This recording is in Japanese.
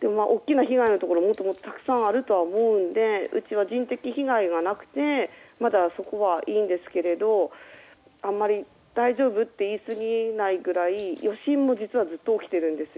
でも、大きな被害のところはもっともっとたくさんあると思うのでうちは人的被害がなくてまだそこはいいんですけれどあまり大丈夫？と言いすぎなくらい余震もずっと起きてるんですよ。